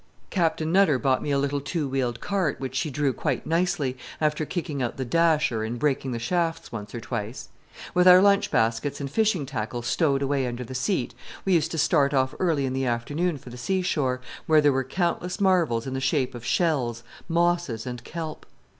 Captain Nutter bought me a little two wheeled cart, which she drew quite nicely, after kicking out the dasher and breaking the shafts once or twice. With our lunch baskets and fishing tackle stowed away under the seat, we used to start off early in the afternoon for the sea shore, where there were countless marvels in the shape of shells, mosses, and kelp.